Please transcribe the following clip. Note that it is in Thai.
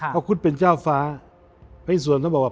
พระคุณเป็นเจ้าฟ้าเพิ่งคุณส่วนท่านบอกว่า